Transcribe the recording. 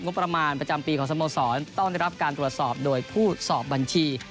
ประมาณประจำปีของสโมสรต้องได้รับการตรวจสอบโดยผู้สอบบัญชี